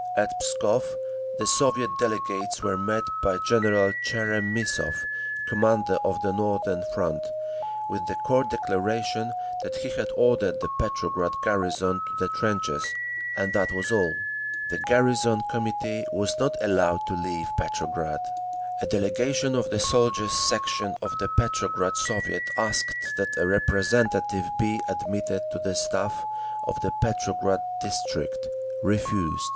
At Pskov, the Soviet delegates were met by General Tcheremissov, commander of the Northern Front, with the curt declaration that he had ordered the Petrograd garrison to the trenches, and that was all. The garrison committee was not allowed to leave Petrograd…. A delegation of the Soldiers' Section of the Petrograd Soviet asked that a representative be admitted to the Staff of the Petrograd District. Refused.